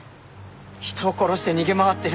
人を殺して逃げ回ってる。